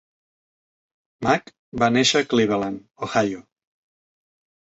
Mack va néixer a Cleveland, Ohio.